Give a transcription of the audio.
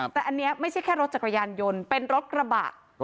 แต่อันนี้ไม่ใช่แค่รถจักรยานยนต์เป็นรถกระบะ